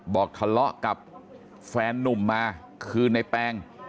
บอกทะเลาะกับแฟนนุ่มมาคือในแปลง